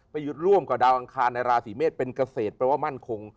หยุดร่วมกับดาวอังคารในราศีเมษเป็นเกษตรแปลว่ามั่นคง